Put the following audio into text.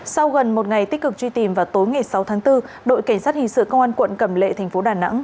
sau gần một ngày tích cực truy tìm vào tối ngày sáu tháng bốn đội cảnh sát hình sự công an quận cầm lệ thành phố đà nẵng